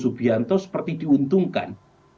subianto seperti diuntungkan